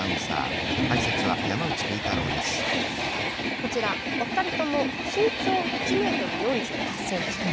こちらお二人とも身長１ｍ４８ｃｍ。